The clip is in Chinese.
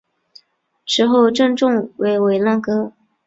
池后正中为文澜阁。